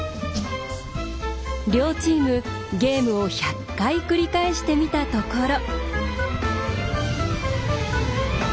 両チームゲームを１００回繰り返してみたところ。